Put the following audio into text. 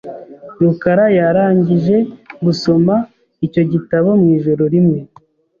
rukara yarangije gusoma icyo gitabo mu ijoro rimwe .